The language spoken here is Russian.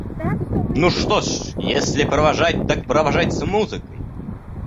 – Ну что ж, если провожать, так провожать с музыкой.